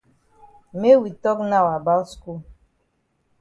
Make we tok now about skul.